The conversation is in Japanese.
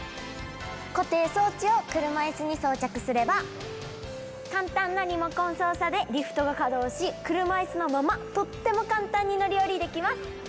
固定装置を車いすに装着すれば、簡単なリモコン操作でリフトが稼働し、車いすのままとっても簡単に乗り降りできます。